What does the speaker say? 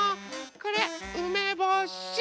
これうめぼし。